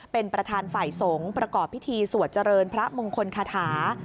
เป็นประธานฝ่ายสงฆ์ประกอบพิธีสวดเจริญพระมงคลคาถา